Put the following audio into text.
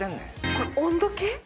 これ温度計？